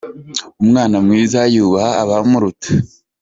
Umwana mwiza yubaha abamuruta.